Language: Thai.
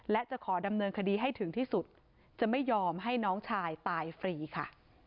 และจะขอดำเนินคดีให้ถึงที่สุดจะไม่ยอมให้น้องชายตายฟรีค่ะ